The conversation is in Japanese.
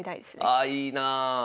あいいなあ。